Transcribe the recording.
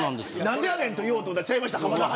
何でやねんと言おうとしたらちゃいました。